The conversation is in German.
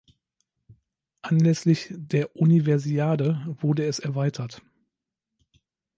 Anlässlich der Universiade wurde es erweitert.